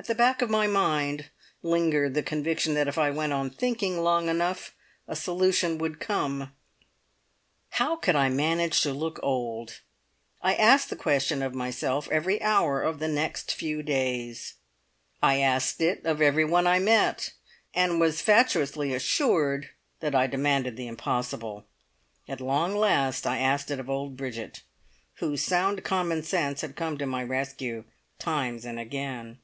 At the back of my mind lingered the conviction that if I went on thinking long enough a solution would come. How could I manage to look old? I asked the question of myself every hour of the next few days. I asked it of everyone I met, and was fatuously assured that I demanded the impossible; at long last I asked it of old Bridget, whose sound common sense had come to my rescue times and again.